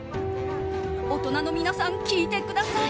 大人の皆さん聞いてください！